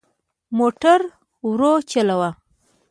موټر ورو چلوئ